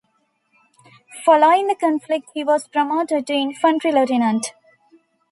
Following the conflict he was promoted to infantry lieutenant.